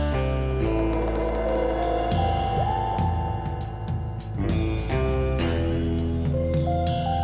kau lagi mau pulang